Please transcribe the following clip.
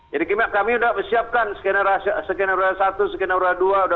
jadi kami sudah siapkan skenario rahasia skenario rahasia satu skenario rahasia dua